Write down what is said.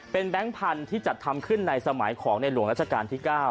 เป็นแบงค์พันธุ์ที่จัดทำขึ้นในสมัยของในหลวงราชการที่๙